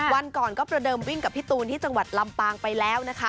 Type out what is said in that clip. วันก่อนก็ประเดิมวิ่งกับพี่ตูนที่จังหวัดลำปางไปแล้วนะคะ